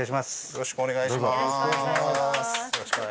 よろしくお願いします。